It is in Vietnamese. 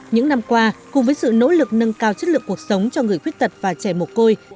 những năm qua cùng với sự nỗ lực nâng cao chất lượng cuộc sống cho người khuyết tật và trẻ mồ côi